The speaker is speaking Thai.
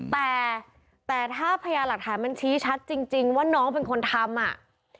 แต่แต่ถ้าพญาหลักฐานมันชี้ชัดจริงว่าน้องเป็นคนทำอ่ะ